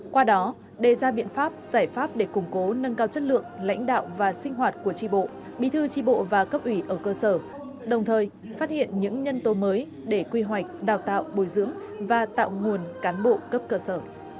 qua đó đề ra biện pháp giải pháp để củng cố nâng cao chất lượng lãnh đạo và sinh hoạt của tri bộ bí thư tri bộ và cấp ủy ở cơ sở đồng thời phát hiện những nhân tố mới để quy hoạch đào tạo bồi dưỡng và tạo nguồn cán bộ cấp cơ sở